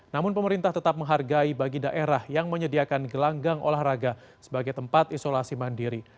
namun pemerintah tetap menghargai bagi daerah yang menyediakan gelanggang olahraga sebagai tempat isolasi mandiri